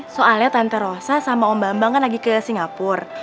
soalnya tante rosa sama om bambang kan lagi ke singapura